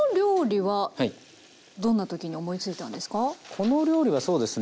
この料理はそうですね